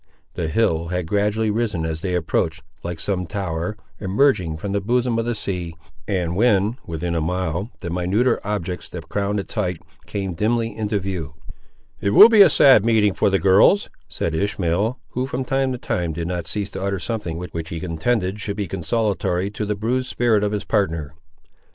The hill had gradually risen as they approached, like some tower emerging from the bosom of the sea, and when within a mile, the minuter objects that crowned its height came dimly into view. "It will be a sad meeting for the girls!" said Ishmael, who, from time to time, did not cease to utter something which he intended should be consolatory to the bruised spirit of his partner.